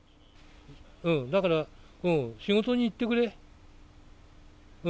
だから仕事に行ってくれ。